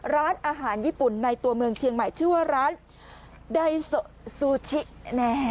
ร้านอาหารญี่ปุ่นในตัวเมืองเชียงใหม่ชื่อว่าร้านไดซูชิ